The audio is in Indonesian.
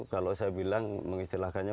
kalau saya bilang mengistilahkannya